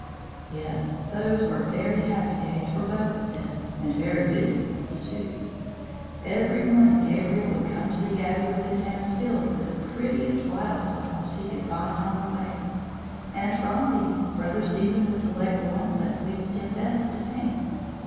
Yes, those were very happy days for both of them, and very busy ones, too. Every morning Gabriel would come to the Abbey with his hands filled with the prettiest wild flowers he could find on the way; and from these Brother Stephen would select the ones that pleased him best to paint.